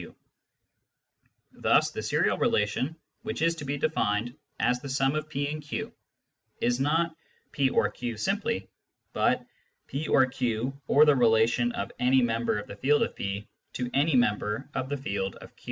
Thus the serial relation which is to be defined as the sum of P and Q is not " P or Q " simply, but " P or Q or the relation of any member of the field of P to any member of the field of Q."